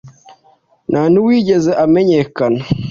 nta n’uywigeze amenyekana,